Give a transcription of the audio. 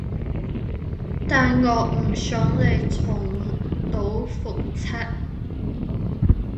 但我唔想你重蹈覆徹